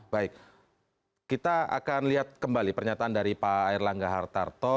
baik kita akan lihat kembali pernyataan dari pak erlangga hartarto